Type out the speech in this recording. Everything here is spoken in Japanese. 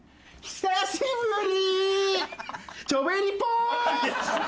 久しぶり！